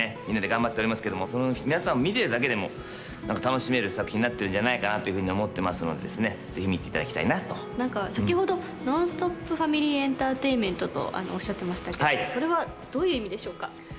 みんなで頑張っておりますけどもその皆さんを見ているだけでも何か楽しめる作品になってるんじゃないかなというふうに思ってますのでぜひ見ていただきたいなと何か先ほどとおっしゃってましたけどそれはどういう意味でしょうか？